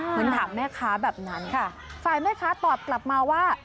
เหมือนถามแม่ค้าแบบนั้นค่ะฝ่ายแม่ค้าตอบกลับมาว่า